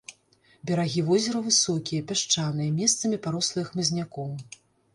Берагі возера высокія, пясчаныя, месцамі парослыя хмызняком.